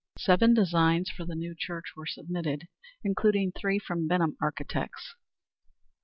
Seven designs for the new church were submitted, including three from Benham architects.